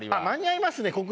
間に合いますね